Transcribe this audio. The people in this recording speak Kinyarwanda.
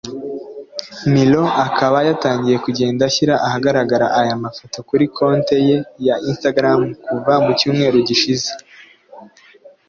Milo akaba yatangiye kujyenda ashyira ahagaragara aya mafoto kuri konte ye ya instagram kuva mu cyumweu gishize